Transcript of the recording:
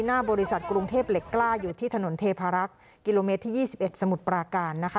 หน้าบริษัทกรุงเทพเหล็กกล้าอยู่ที่ถนนเทพารักษ์กิโลเมตรที่๒๑สมุทรปราการนะคะ